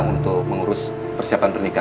untuk mengurus persiapan tiana